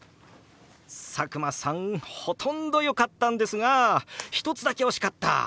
佐久間さんほとんどよかったんですが１つだけ惜しかった！